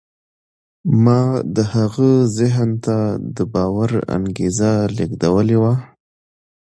ما د هغه ذهن ته د باور انګېزه لېږدولې وه.